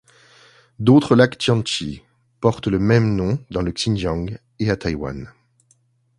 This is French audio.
D’autres lacs Tianchi portent le même nom dans le Xinjiang et à Taïwan.